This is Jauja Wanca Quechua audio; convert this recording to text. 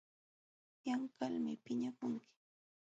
Yanqalmi piñakunki.